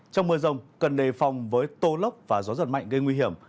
trong mưa rông cần đề phòng với tô lốc và gió giật mạnh gây nguy hiểm